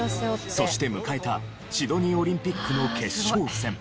そして迎えたシドニーオリンピックの決勝戦。